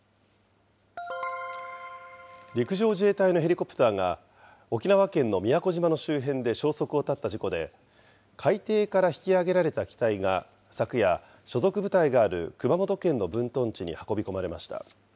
陸上自衛隊のヘリコプターが沖縄県の宮古島の周辺で消息を絶った事故で、海底から引き揚げられた機体が昨夜、所属部隊がある熊本県の分屯地に運び込まれました。